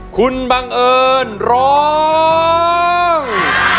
คุณบังเอิญร้อง